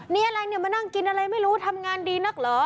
มีอะไรเนี่ยมานั่งกินอะไรไม่รู้ทำงานดีนักเหรอ